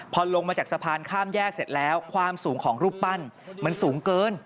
พอลงมาจากสะพานข้ามแยกเสร็จแล้วความสูงของรูปปั้นมันสูงเกิน